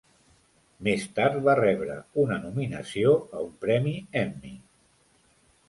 Més tard va rebre una nominació a un Premi Emmy.